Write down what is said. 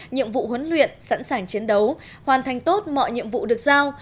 nhiệm vụ huấn luyện sẵn sàng chiến đấu hoàn thành tốt mọi nhiệm vụ được giao